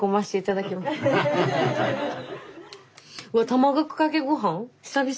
卵かけごはん久々。